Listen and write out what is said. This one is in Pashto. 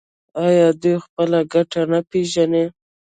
آیا دوی خپله ګټه نه پیژني؟